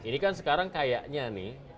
ini kan sekarang kayaknya nih